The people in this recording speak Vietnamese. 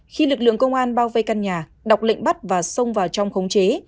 khi lực lượng công an bao vây căn nhà đọc lệnh bắt và xông vào trong khống chế